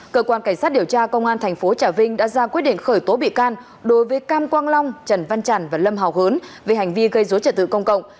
cơ quan cảnh sát điều tra công an thành phố trà vinh đã ra quyết định khởi tố bị can đối với cam quang long trần văn tràn và lâm hào hớn về hành vi gây dối trật tự công cộng